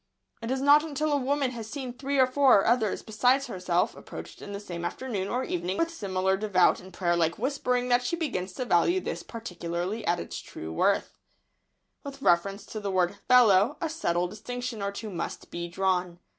It is not until a woman has seen three or four others besides herself approached in the same afternoon or evening with similar devout and prayer like whispering that she begins to value this particularity at its true worth. [Sidenote: The word "fellow."] With reference to the word "fellow" a subtle distinction or two must be drawn.